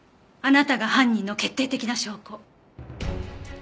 あなたが犯人の決定的な証拠。